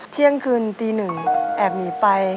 เที่ยงคืนตีหนึ่งแอบหนีไป